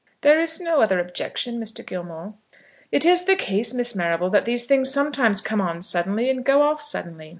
"There is no other objection, Mr. Gilmore." "It is the case, Miss Marrable, that these things sometimes come on suddenly and go off suddenly.